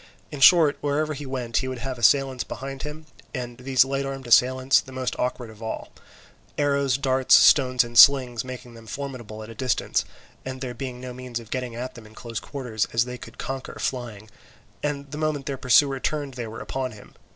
In short, wherever he went he would have the assailants behind him, and these light armed assailants, the most awkward of all; arrows, darts, stones, and slings making them formidable at a distance, and there being no means of getting at them at close quarters, as they could conquer flying, and the moment their pursuer turned they were upon him.